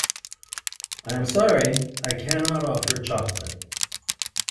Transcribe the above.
I am sorry I cannot offer chocolate.